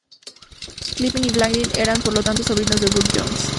Kipling y Baldwin eran, por lo tanto, sobrinos de Burne-Jones.